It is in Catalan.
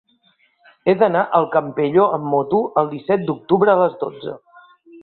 He d'anar al Campello amb moto el disset d'octubre a les dotze.